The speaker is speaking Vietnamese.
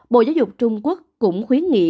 bộ giáo dục trung quốc cũng khuyến nghị